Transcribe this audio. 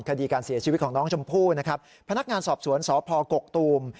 คดีการเสียชีวิตของน้องชมพู่นะครับพนักงานสอบสวนสพกกตูม